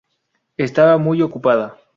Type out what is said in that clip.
Estaba muy ocupada.